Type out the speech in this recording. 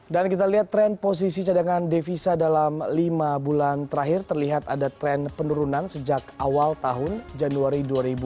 dan kita lihat tren posisi cadangan devisa dalam lima bulan terakhir terlihat ada tren penurunan sejak awal tahun januari dua ribu delapan belas